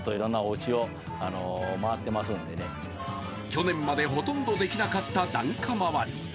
去年までほとんどできなかった檀家回り。